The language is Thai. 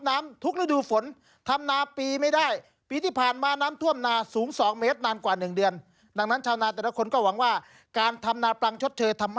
น้ำไม่มีน้ำไม่มาเลยครับ